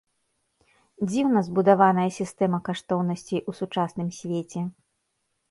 Дзіўна збудаваная сістэма каштоўнасцей у сучасным свеце.